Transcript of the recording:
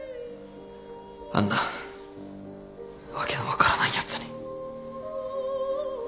あんな訳の分からないやつに。